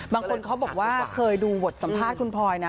บางคนเขาบอกว่าเคยดูบทสัมภาษณ์คุณพลอยนะ